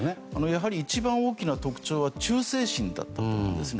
やはり一番大きな特徴は忠誠心だったと思います。